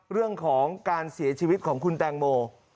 เรื่องของการเสียชีวิตของคุณแตงโม